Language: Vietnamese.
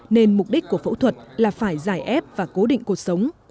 nên mục đích của phẫu thuật là phải giải ép và cố định cuộc sống